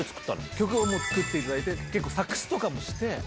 曲はもう作っていただいて、結構、作詞とかもして。